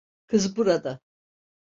Kız burada.